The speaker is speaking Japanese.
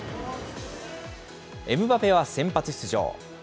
エムバペは先発出場。